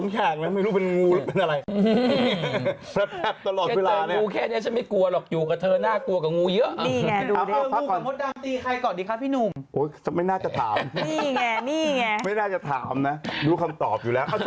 ช่วงหน้าช่วงหน้าเดี๋ยวจะได้ขึ้นอยู่ประดับ